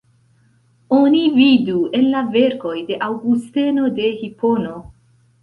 Oni vidu en la verkoj de Aŭgusteno de Hipono.